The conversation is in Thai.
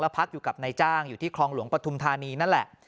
พักอยู่กับนายจ้างอยู่ที่คลองหลวงปฐุมธานีนั่นแหละ